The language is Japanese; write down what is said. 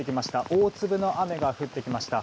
大粒の雨が降ってきました。